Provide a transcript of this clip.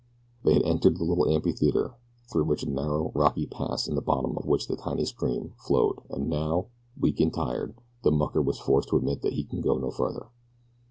They had entered the little amphitheater through a narrow, rocky pass in the bottom of which the tiny stream flowed, and now, weak and tired, the mucker was forced to admit that he could go no farther.